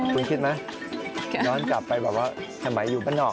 คุณคิดไหมย้อนกลับไปแบบว่าสมัยอยู่บ้านนอก